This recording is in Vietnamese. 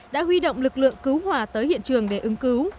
đã huy động lực lượng cứu hỏa tới hiện trường để ứng cứu